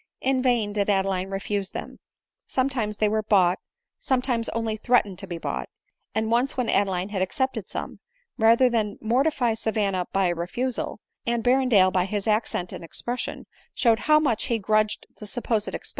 In vain did Adeline refuse them ; sometimes they were bought, sometimes only threatened to be bought; and once when Adeline had accepted some, rather than mortify Savanna by a refusal, and Berrendale, by his accent and expres sion, showed how much he grudged the supposed ex